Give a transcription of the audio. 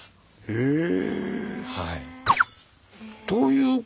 へえ。